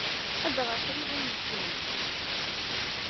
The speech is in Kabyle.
Ad d-aɣeɣ tayuga n yezgaren.